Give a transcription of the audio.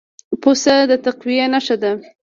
پسه د تقوی نښه ده.